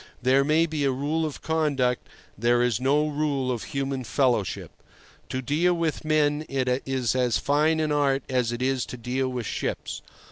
There may be a rule of conduct; there is no rule of human fellowship. To deal with men is as fine an art as it is to deal with ships.